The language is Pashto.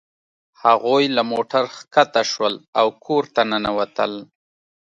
هغوی له موټر ښکته شول او کور ته ننوتل